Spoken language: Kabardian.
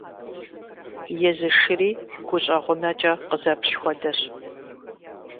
Езы шыри гущӀэгъунэкӀэ къызэплъ хуэдэщ.